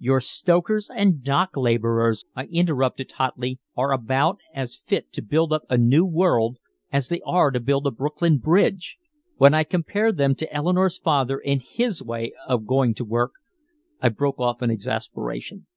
"Your stokers and dock laborers," I interrupted hotly, "are about as fit to build up a mew world as they are to build a Brooklyn Bridge! When I compare them to Eleanore's father and his way of going to work" I broke off in exasperation.